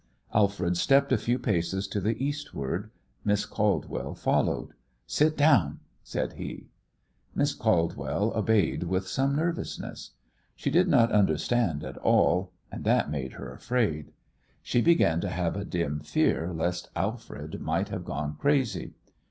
Alfred stepped a few paces to the eastward. Miss Caldwell followed. "Sit down," said he. Miss Caldwell obeyed with some nervousness. She did not understand at all, and that made her afraid. She began to have a dim fear lest Alfred might have gone crazy.